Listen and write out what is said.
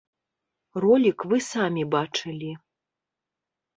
Ролік вы самі бачылі.